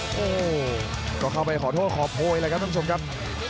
โอ้โหก็เข้าไปขอโทษขอโพยเลยครับท่านผู้ชมครับ